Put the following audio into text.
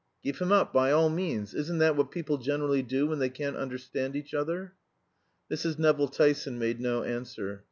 "Give him up, by all means. Isn't that what people generally do when they can't understand each other?" Mrs. Nevill Tyson made no answer.